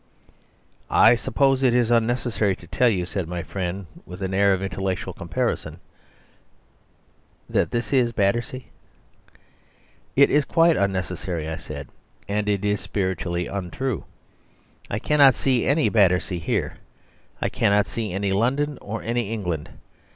"I suppose it is unnecessary to tell you," said my friend, with an air of intellectual comparison, "that this is Battersea?" "It is quite unnecessary," I said, "and it is spiritually untrue. I cannot see any Battersea here; I cannot see any London or any England.